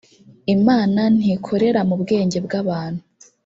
imana ntikorere mubwenge bw ‘abantu